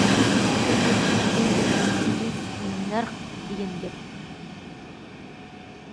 پۇل كەتتى دېگەن گەپنىڭ ئۆزى تەننەرخ دېگەن گەپ.